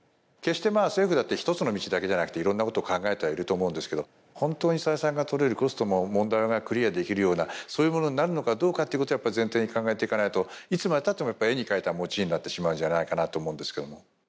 決してまあ政府だって一つの道だけじゃなくていろんなことを考えてはいると思うんですけど本当に採算が取れるコストも問題がクリアできるようなそういうものになるのかどうかっていうことをやっぱ前提に考えていかないといつまでたってもやっぱ絵に描いた餅になってしまうんじゃないかなと思うんですけども。